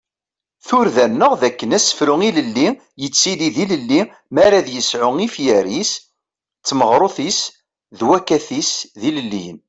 Turda-nneɣ d akken asefru ilelli yettili d ilelli mi ara ad yesɛu ifyar-is d tmaɣrut-is d wakat-is d ilelliyen.